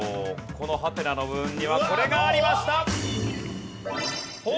このハテナの部分にはこれがありました！